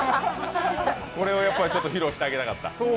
これは披露してあげたかった？